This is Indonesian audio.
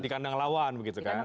di kandang lawan begitu kan